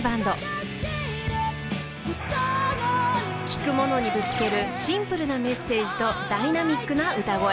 ［聴く者にぶつけるシンプルなメッセージとダイナミックな歌声］